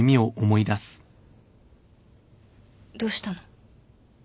どうしたの？